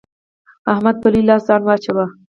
احمد په لوی لاس ځان واچاوو.